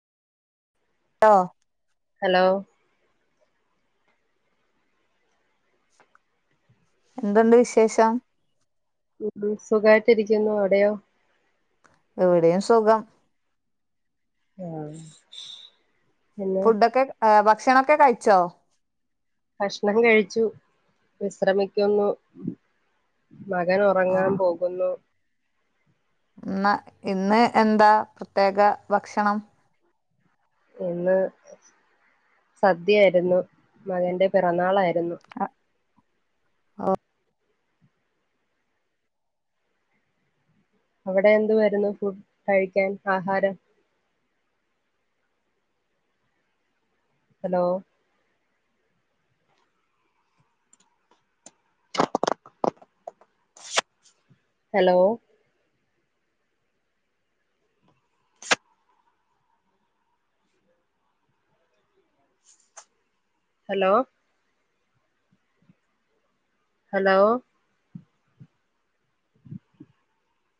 Law hello. എന്തുണ്ട് വിശേഷം ഉ സുഖായിട്ടിരിക്കുന്നു അവിടെയോ? ഇവിടെയും സുഖം ആ ഫുഡൊക്കെ ഭക്ഷണൊക്കെ കഴിച്ചോ ഭശ്ണം കഴിച്ചു വിശ്രമിക്കുന്നു. ആ മകനൊറങ്ങാൻ പോകുന്നു. ന്ന ഇന്ന് എന്താ പ്രത്യേക ഭക്ഷണം. ഇന്ന് സദ്യായ്രുന്നു മകന്റെ പിറന്നാളായിരുന്നു. അ ഓ. അവിടെ എന്ത് വരുന്നു ഫുഡ് കഴിക്കാൻ ആഹാരം ഹലോ ഹലോ. Hello hello.